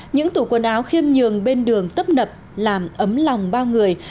những tủ quần áo khiêm nhường bên đường tấp nập làm ấm lòng bao người